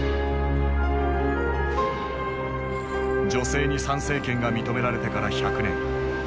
女性に参政権が認められてから百年。